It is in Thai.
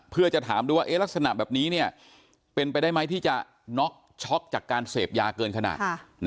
เพื่อจะถามดูว่าลักษณะแบบนี้เป็นไปได้ไหมที่จะน็อกช็อกจากการเสพยาเกินขนาด